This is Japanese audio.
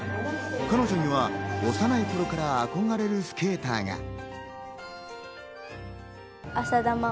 彼女には幼い頃から憧れるスケーターが。